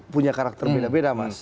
punya karakter beda beda mas